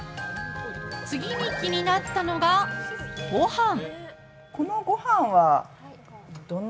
次に気になったのが、ごはん。